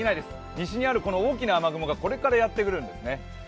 西にあるこの大きな雨雲がこれからやってくるんですね。